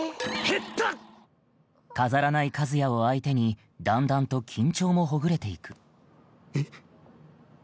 下手！飾らない和也を相手にだんだんと緊張もほぐれていくタッえっ？